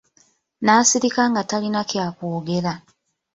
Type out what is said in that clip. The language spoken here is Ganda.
Nasirika nga talina kya kwogera.